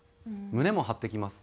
胸も張ってきます。